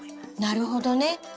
なるほどね。